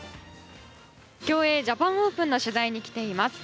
競泳ジャパンオープンの取材に来ています。